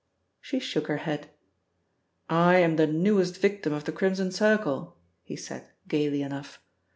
She shook her head. "I am the newest victim of the Crimson Circle," he said gaily enough.